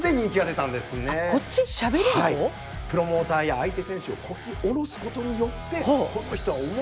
プロモーターや相手選手をこき下ろすことによって「この人は面白い」